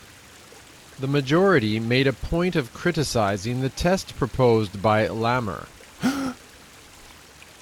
The majority made a point of criticizing the test proposed by Lamer.